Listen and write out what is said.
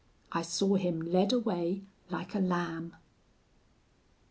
I saw him led away like a lamb."